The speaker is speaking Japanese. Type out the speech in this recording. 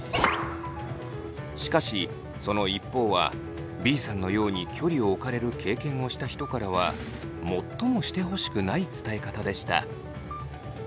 しかしその一方はＢさんのように距離を置かれる経験をした人からは最もしてほしくない伝え方でした。